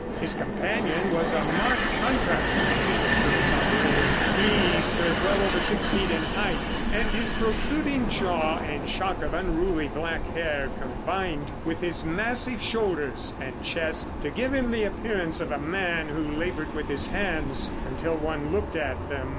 His companion was a marked contrast to the secret service operator. He stood well over six feet in height, and his protruding jaw and shock of unruly black hair combined with his massive shoulders and chest to give him the appearance of a man who labored with his hands until one looked at them.